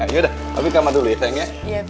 ya udah papi kamar dulu ya thank ya